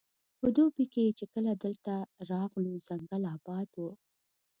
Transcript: په دوبي کې چې کله دلته راغلو ځنګل اباد وو.